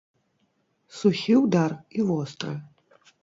Сухі ўдар і востры.